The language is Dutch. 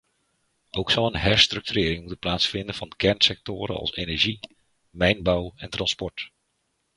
Ook zal een herstructurering moeten plaatsvinden van kernsectoren als energie, mijnbouw en transport.